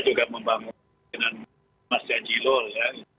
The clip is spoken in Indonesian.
kita juga membangun dengan mas dhanjilol ya